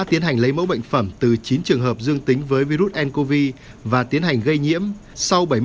tiến hành lấy mẫu bệnh phẩm từ chín trường hợp dương tính với virus ncov và tiến hành gây nhiễm sau